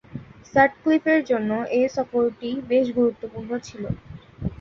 সাটক্লিফের জন্য এ সফরটি বেশ গুরুত্বপূর্ণ ছিল।